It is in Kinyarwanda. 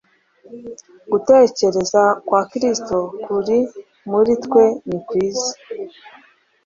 Gutekereza kwa Kristo kuri muri twe ni kwiza;